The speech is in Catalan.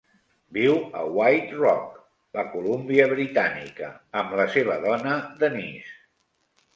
Viu a White Rock, la Columbia Britànica, amb la seva dona Denise.